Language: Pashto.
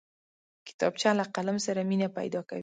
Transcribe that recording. کتابچه له قلم سره مینه پیدا کوي